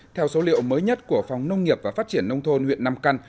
theo số liệu mới nhất của phòng nông nghiệp và phát triển nông thôn huyện nam căn